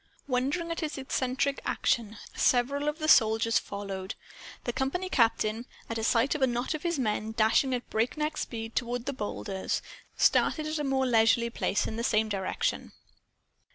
Wondering at his eccentric action, several of the soldiers followed. The company captain, at sight of a knot of his men dashing at breakneck speed toward the boulders, started at a more leisurely pace in the same direction.